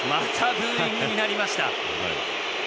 ブーイングになりました。